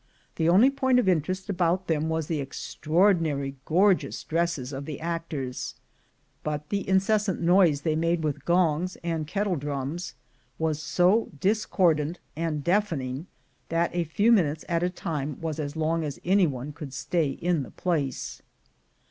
The only point of interest about them was the extraordi nary gorgeous dresses of the actors; but the incessant noise they made with gongs and kettle drums was so discordant and deafening that a few minutes at a time was as long as any one could stay in the place.